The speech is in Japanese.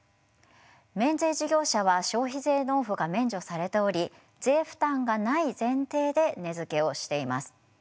免税事業者は消費税納付が免除されており税負担がない前提で値づけをしています。